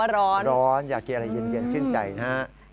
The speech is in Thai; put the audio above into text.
ร้อนอยากกินอะไรเย็นชื่นใจนะฮะ